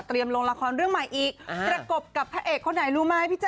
ลงละครเรื่องใหม่อีกประกบกับพระเอกคนไหนรู้ไหมพี่แจ